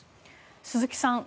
鈴木さん